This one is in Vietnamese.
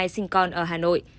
sinh con ở hà nội